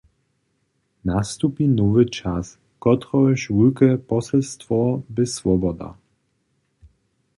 Nastupi nowy čas, kotrehož wulke poselstwo bě swoboda.